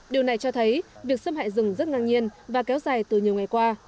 điều này cho thấy việc xâm hại rừng rất ngang nhiên và kéo dài từ nhiều ngày qua